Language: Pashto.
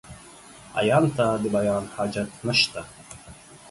عيان ته ، د بيان حاجت نسته.